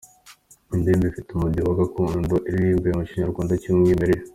Iyi indirimbo ifite umudiho wa gakondo, iririmbwe mu Kinyarwanda cy’umwimerere.